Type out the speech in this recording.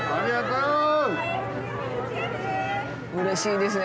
うれしいですね